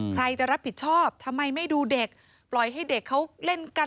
ใครจะรับผิดชอบทำไมไม่ดูเด็กปล่อยให้เด็กเขาเล่นกัน